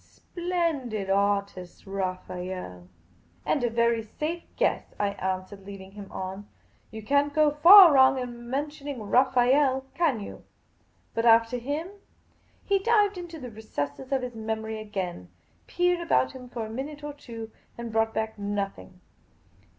Splendid artist, Raphael !"" And a very safe guess," I answered, leading him on. " You can't go far wrong in mentioning Raphael, can you ? But after him ?" He dived into the recesses of his memory again, peered about him for a minute or two, and brought back nothing.